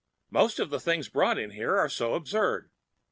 Most of the things brought here are so absurd.